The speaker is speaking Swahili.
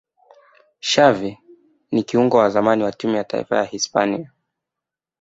xavi ni kiungo wa zamani ya timu ya taifa ya hispania